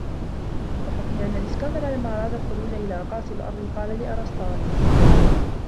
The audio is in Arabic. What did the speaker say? وَحُكِيَ أَنَّ الْإِسْكَنْدَرَ لَمَّا أَرَادَ الْخُرُوجَ إلَى أَقَاصِي الْأَرْضِ قَالَ لأرسطاطاليس